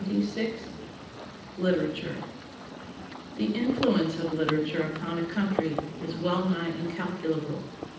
] The influence of literature upon a country is well nigh incalculable.